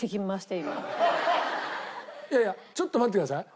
いやいやちょっと待ってください。